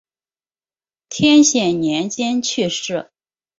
天显年间去世。